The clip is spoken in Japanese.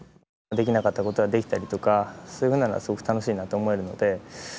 できなかったことができたりとかそういうふうなのはすごく楽しいなと思えるので。